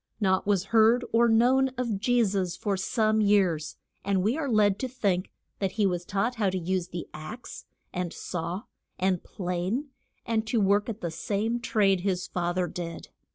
Naught was heard or known of Je sus for some years, and we are led to think that he was taught how to use the axe, and saw, and plane, and to work at the same trade his fa ther did.